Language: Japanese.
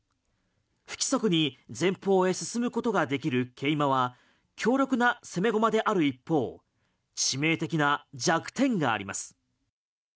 不規則に前方へ進むことができる桂馬は強力な攻め駒である一方致命的な弱点があります。